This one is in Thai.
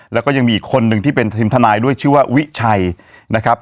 แล้วก็ยังมีอีกคนนึงที่เป็นทีมทนายด้วยชื่อว่าวิชัยนะครับ